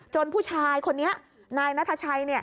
ผู้ชายคนนี้นายนัทชัย